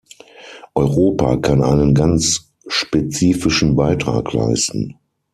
Europa kann einen ganz spezifischen Beitrag leisten.